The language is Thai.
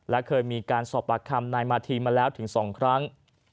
และเคยมีการสอบปากคำนายมาธีมาแล้วถึง๒ครั้ง